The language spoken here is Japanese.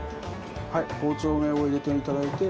はい包丁を入れていただいて。